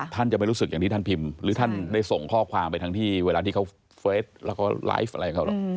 ท่านจะไม่รู้สึกอย่างที่ท่านพิมพ์หรือท่านได้ส่งข้อความไปทั้งที่เวลาที่เขาเฟสแล้วก็ไลฟ์อะไรของเขาหรอก